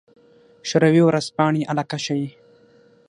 شوروي ورځپاڼې علاقه ښيي.